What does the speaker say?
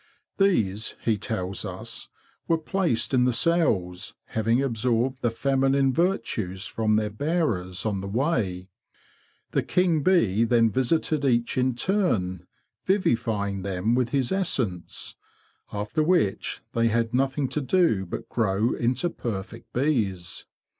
These, he tells us, were placed in the cells, having absorbed the feminine virtues from their bearers on the way. The king bee then visited each in turn, vivifying them with his essence, after which they had nothing to do but grow into perfect bees.